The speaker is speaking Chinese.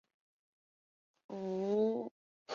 同时主机还拥有强大的容错能力。